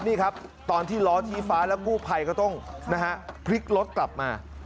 นี่ครับตอนที่ล้อชี้ฟ้าแล้วกู้ภัยก็ต้องนะฮะพลิกรถกลับมา